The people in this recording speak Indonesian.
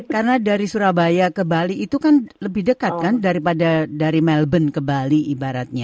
karena dari surabaya ke bali itu kan lebih dekat kan daripada dari melbourne ke bali ibaratnya